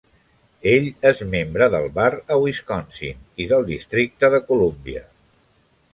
Ell és membre del bar a Wisconsin i del districte de Columbia.